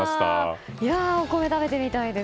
お米、食べてみたいです。